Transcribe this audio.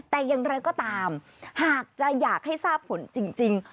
แต่อย่างไรก็ตามหากจะอยากให้ทราบผลจริง